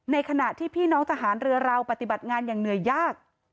ขณะที่พี่น้องทหารเรือเราปฏิบัติงานอย่างเหนื่อยยาก